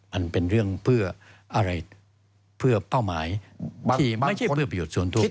มันเป็นเรื่องเพื่ออะไรเพื่อเป้าหมายที่ไม่ใช่เพื่อประโยชน์ส่วนตัว